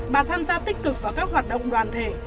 bà tham gia tích cực vào các hoạt động đoàn thể